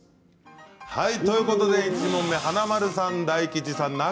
ということで１問目華丸さん、大吉さん